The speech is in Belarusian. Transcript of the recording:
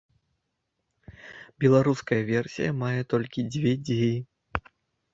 Беларуская версія мае толькі дзве дзеі.